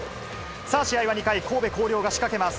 さあ、試合は２回、神戸弘陵が仕掛けます。